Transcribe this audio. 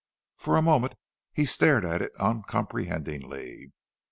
For a moment he stared at it uncomprehendingly.